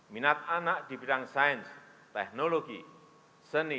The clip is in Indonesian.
minat anak di bidang sains teknologi seni